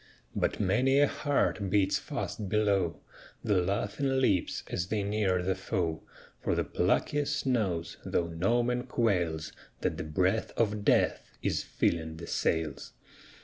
But many a heart beats fast below The laughing lips as they near the foe; For the pluckiest knows, though no man quails, That the breath of death is filling the sails.